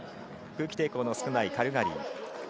空気抵抗の少ないカルガリー。